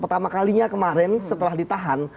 pertama kalinya kemarin setelah ditahan